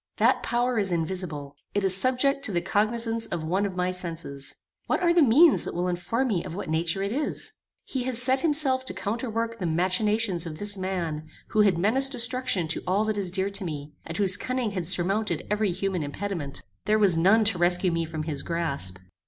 That power is invisible. It is subject to the cognizance of one of my senses. What are the means that will inform me of what nature it is? He has set himself to counterwork the machinations of this man, who had menaced destruction to all that is dear to me, and whose cunning had surmounted every human impediment. There was none to rescue me from his grasp.